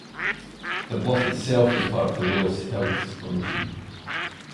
The bluff itself is part of the Loess Hills formation.